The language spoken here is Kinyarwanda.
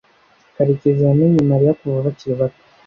karekezi yamenye mariya kuva bakiri bato